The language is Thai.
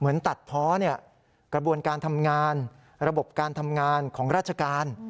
ตัดเพาะกระบวนการทำงานระบบการทำงานของราชการ